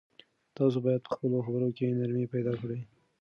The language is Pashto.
تاسو باید په خپلو خبرو کې نرمي پیدا کړئ.